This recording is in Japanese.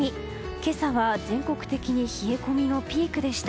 今朝は全国的に冷え込みのピークでした。